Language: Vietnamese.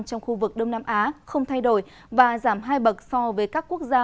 trong khu vực đông nam á không thay đổi và giảm hai bậc so với các quốc gia